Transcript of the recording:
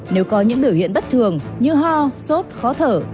nếu có những biểu hiện bất thường như ho sốt khó thở